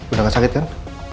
udah gak sakit kan